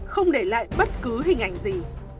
không để lại bất cứ hình ảnh gì